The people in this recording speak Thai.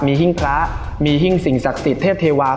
มีหิ้งพระมีหิ้งสิ่งศักดิ์สิทธิเทพเทวา